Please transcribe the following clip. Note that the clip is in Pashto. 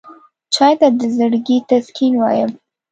چای ته د زړګي تسکین وایم.